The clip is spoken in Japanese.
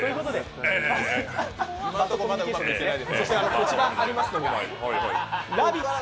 こちらにありますのがラヴィット！